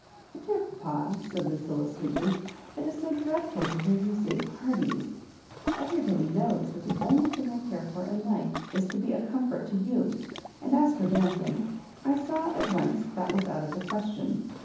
"Dear papa," said Lucilla, sweetly, *'it is so dreadful to .hear you say ' parties. Every body knows that the only thing I care for in life is to be a comfort to you ; and as for dancing, I saw at once that was out of the question.